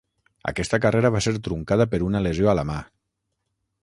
Aquesta carrera va ser truncada per una lesió a la mà.